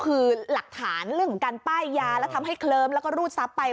คือหลักฐานเรื่องของการป้ายยาแล้วทำให้เคลิ้มแล้วก็รูดทรัพย์ไป